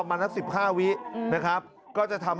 ไปเนี้ยประมาณสัก๑๕วินะครับ